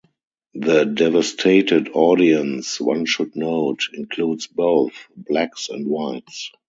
The devastated audience, one should note, includes both Blacks and Whites.